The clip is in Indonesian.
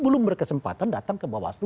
belum berkesempatan datang ke bawaslu